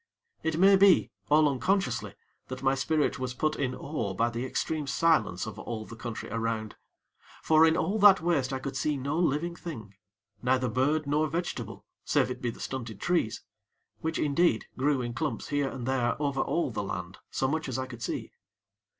It may be, all unconsciously, that my spirit was put in awe by the extreme silence of all the country around; for in all that waste I could see no living thing, neither bird nor vegetable, save it be the stunted trees, which, indeed, grew in clumps here and there over all the land, so much as I could see.